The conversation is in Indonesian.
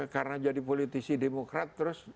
karena jadi politisi demokrat terus